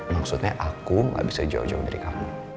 maksudnya aku gak bisa jauh jauh dari kamu